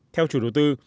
theo chủ đầu tư